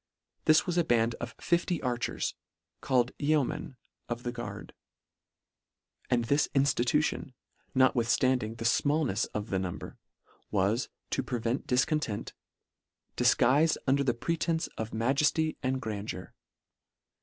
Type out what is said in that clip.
This was a band of 50 archers, called yeomen of the guard : And this inftitution, notwithstanding the fmallnefs of the number, was, to prevent difcontent, f " difguifed under the pretence of majefly and grandeur."